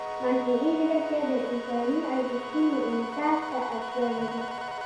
مصنوعي ځیرکتیا د انساني ارزښتونو انعکاس ته اړتیا لري.